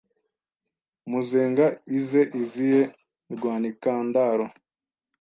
Muzenga ize izihe Rwanikandaro